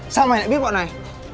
sao mày lại biết bọn này